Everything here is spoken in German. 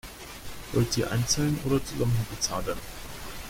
Wollt ihr einzeln oder zusammen bezahlen?